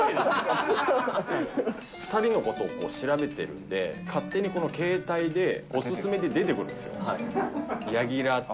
２人のことを調べてるんで、勝手に携帯でお勧めで出てくるんですよ。